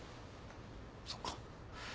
そっか。